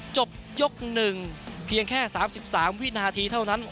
จบยกหนึ่งเพียงแค่สามสิบสามวินาทีเท่านั้น